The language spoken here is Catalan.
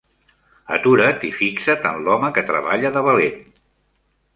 Atura't i fixa't en l'home que treballa de valent.